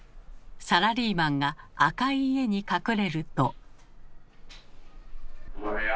サラリーマンが赤い家に隠れると。